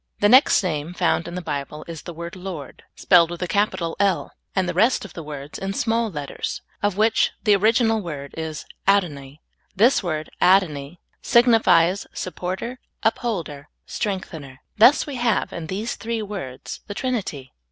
The next name found in the Bible is the word Lord, spelled with a capital I 38 SOUL FOOD. "L," and the rest of the words in small letters, of which the original word is adoni. This word adoni signifies supporter, upholder, strengthener. Thus we have, in these three words, the Trinity.